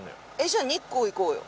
じゃあ日光行こうよ。